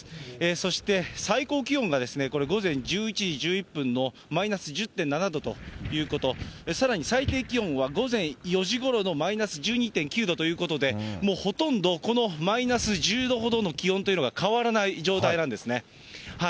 そして最高気温がこれ、午前１１時１１分のマイナス１０．７度ということ、さらに最低気温は、午前４時ごろのマイナス１２．９度ということで、もうほとんどこのマイナス１０度ほどの気温というのが変わらない状態なんですね。